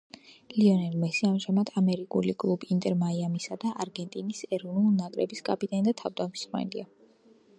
ლიონელ მესი ამჟამად ამერიკულ კლუბ „ინტერ მაიამისა“ და არგენტინის ეროვნული ნაკრების კაპიტანი და თავდამსხმელია.